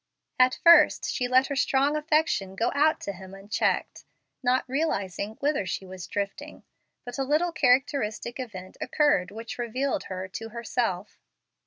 At first she let her strong affection go out to him unchecked, not realizing whither she was drifting; but a little characteristic event occurred which revealed her to herself.